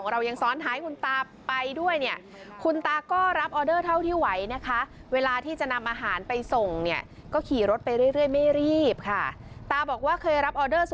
เอาแค่นี้แหละเนอะครับ